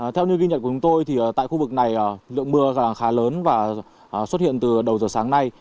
theo như ghi nhận của chúng tôi tại khu vực này lượng mưa khá lớn và xuất hiện từ đầu giờ sáng nay